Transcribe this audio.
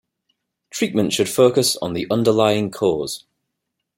Treatment should focus on the underlying cause.